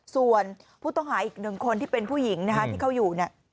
ส่วนผู้ต้องหาอีกหนึ่งคนที่เป็นผู้หญิงนะคะที่เขาอยู่เนี่ย